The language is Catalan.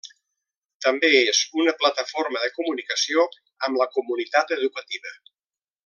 També és una plataforma de comunicació amb la comunitat educativa.